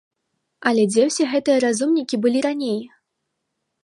Але дзе ўсе гэтыя разумнікі былі раней?